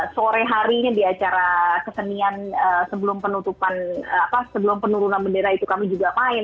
sore harinya di acara kesenian sebelum penurunan bendera itu kami juga main